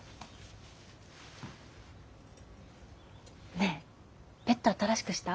ねえベッド新しくした？